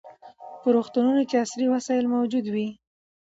په روغتونونو کې عصري وسایل موجود وي.